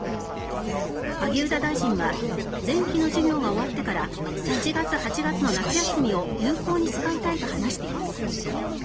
萩生田大臣は前期の授業が終わってから７月、８月の夏休みを有効に使いたいと話しています。